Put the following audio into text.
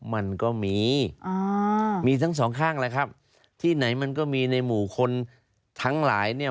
มันก็มีอ่ามีทั้งสองข้างแหละครับที่ไหนมันก็มีในหมู่คนทั้งหลายเนี่ย